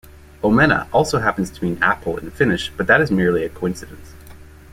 "Omena" also happens to mean "apple" in Finnish, but that is merely a coincidence.